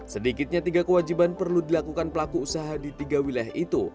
sedikitnya tiga kewajiban perlu dilakukan pelaku usaha di tiga wilayah itu